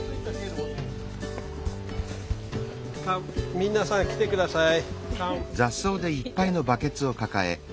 皆さん来てください。